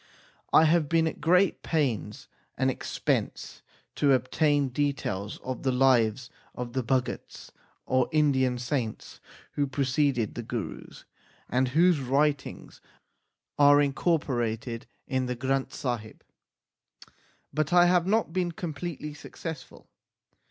I have been at great pains and expense to obtain details of the lives of the Bhagats, or Indian saints, who preceded the Gurus, and whose writings are incorporated in the Granth Sahib, but I have not been completely successful.